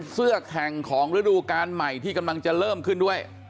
เสื้อแข่งของฤดูการใหม่ที่กำลังจะเริ่มขึ้นด้วย